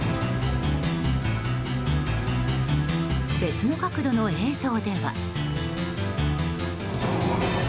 別の角度の映像では。